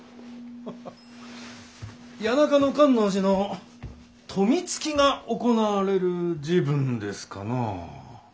谷中の感応寺の富突きが行われる時分ですかな。